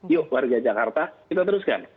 yuk warga jakarta kita teruskan